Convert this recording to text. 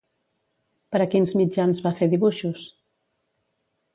Per a quins mitjans va fer dibuixos?